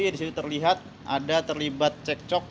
disitu terlihat ada terlibat cek cok